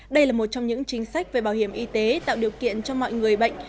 đây là một trong những chính sách về bảo hiểm y tế tạo điều kiện cho mọi người bệnh